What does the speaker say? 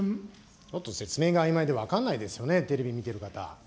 ちょっと説明があいまいで分からないですよね、テレビ見てる方。